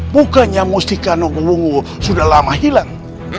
bukannya mustika nogobungu sudah lama hilang